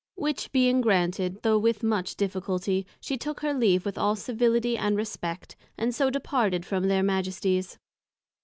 Which being granted, though with much difficulty, she took her leave with all Civility and Respect, and so departed from their Majesties.